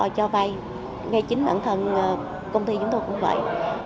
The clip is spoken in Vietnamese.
cho vay ngay chính bản thân công ty chúng tôi cũng vậy